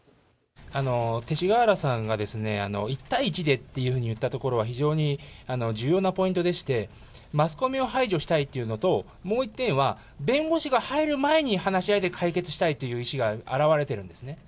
勅使河原さんが一対一でと言ったところは非常に重要なポイントでして、マスコミを排除したいっていうのと、もう一点は、弁護士が入る前に話し合いで解決したいという意思が表れてるんですね。